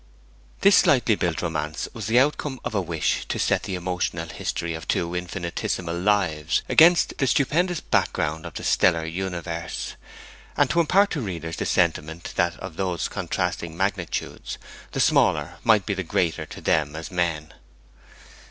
This slightly built romance was the outcome of a wish to set the emotional history of two infinitesimal lives against the stupendous background of the stellar universe, and to impart to readers the sentiment that of these contrasting magnitudes the smaller might be the greater to them as men.